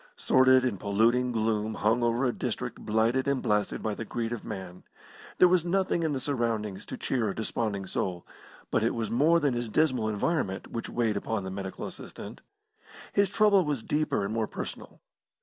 Sordid and polluting gloom hung over a district blighted and blasted by the greed of man. There was nothing in the surroundings to cheer a desponding soul, but it was more than his dismal environment which weighed upon the medical assistant. His trouble was deeper and more personal.